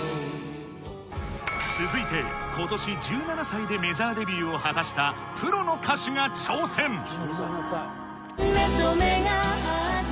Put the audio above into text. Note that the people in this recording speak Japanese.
続いて今年１７歳でメジャーデビューを果たしたプロの歌手が挑戦お！